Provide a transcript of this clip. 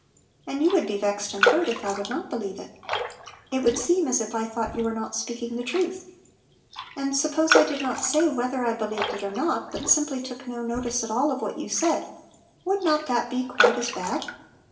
And you would be vexed and hurt if I would not believe ii It would seem go Little Pillows. as if I thought you were not speaking the truth. And suppose I did not say whether I believed it or not, but sim ply took no notice at all of what you said, would not that be quite as bad